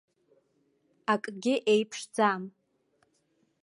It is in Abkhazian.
Акгьы еиԥшӡам.